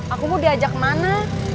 aku mau diajak kemana